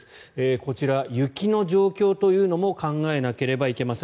こちら、雪の状況というのも考えなければいけません。